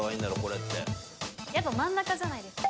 やっぱ真ん中じゃないですか。